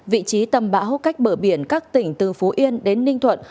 vị trí tâm bão cách bờ biển các tỉnh từ phú yên đến ninh thuận